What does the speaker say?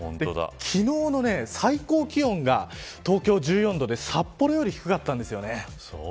昨日の最高気温が東京は１４度で札幌より低かったんですよね。